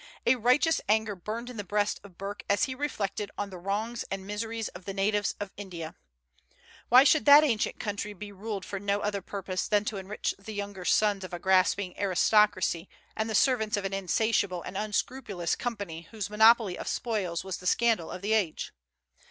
A righteous anger burned in the breast of Burke as he reflected on the wrongs and miseries of the natives of India. Why should that ancient country be ruled for no other purpose than to enrich the younger sons of a grasping aristocracy and the servants of an insatiable and unscrupulous Company whose monopoly of spoils was the scandal of the age?